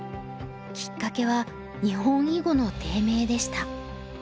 きっかけは日本囲碁の低迷でした。